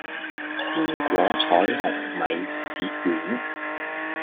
鮮果彩虹米紙卷